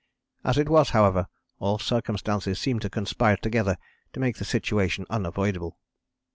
As it was, however, all circumstances seemed to conspire together to make the situation unavoidable.'